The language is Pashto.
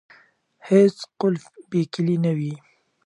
هیڅ قلف بې کیلي نه وي.